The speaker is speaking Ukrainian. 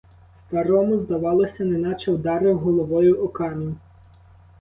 Старому здавалося, неначе вдарив головою о камінь.